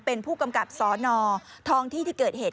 เป็นผู้กำกับสนทองที่ที่เกิดเหตุ